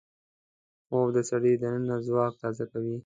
خوب د سړي دننه ځواک تازه کوي